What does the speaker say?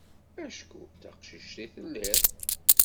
Acku d taqcict i telliḍ.